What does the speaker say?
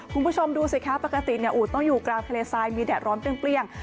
คุณผู้ชมดูสิคะปกติอู๋ต้องอยู่กลางทะเลทรายมีแดดร้อนเปรี้ยง